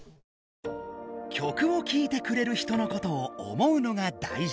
曲をきいてくれる人のことを思うのがだいじ！